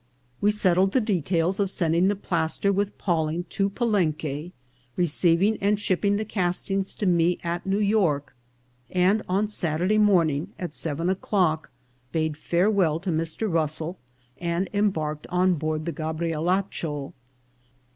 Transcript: We settled the details of sending the plaster with Pawling to Palenque, receiving and shipping the castings to me at New York, and on Saturday morning at seven o'clock bade farewell to Mr. Russell, and embarked on board the Gabrielacho.